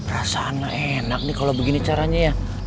rasa anak enak nih kalau begini caranya ya